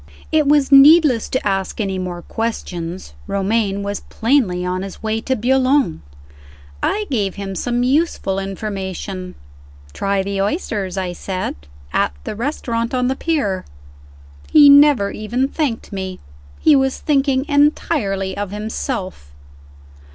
It was needless to ask any more questions Romayne was plainly on his way to Boulogne. I gave him some useful information. "Try the oysters," I said, "at the restaurant on the pier." He never even thanked me. He was thinking entirely of himself.